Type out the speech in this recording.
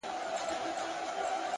صبر د لوړو هدفونو خاموش ملګری دی.!